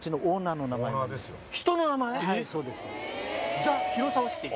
はいそうです。